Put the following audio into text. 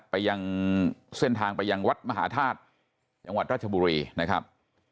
ไปยังเส้นทางไปยังวัดมหาธาตุจังหวัดราชบุรีนะครับ